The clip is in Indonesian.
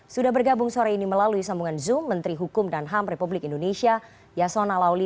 sudah bergabung sore ini melalui sambungan zoom menteri hukum dan ham republik indonesia yasona lauli